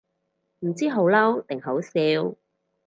唔知好嬲定好笑